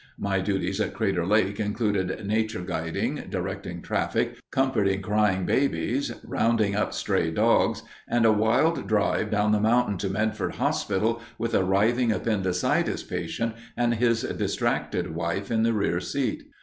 My duties at Crater Lake included nature guiding, directing traffic, comforting crying babies, rounding up stray dogs, and a wild drive down the mountain to Medford Hospital with a writhing appendicitis patient and his distracted wife in the rear seat.